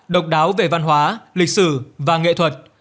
độc đáo về văn hóa lịch sử và nghệ thuật